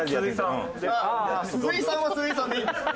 鈴井さんは鈴井さんでいいんですね。